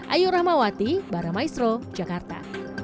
ayo rahmawati baramaestro jakarta